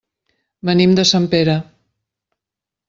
Venim de Sempere.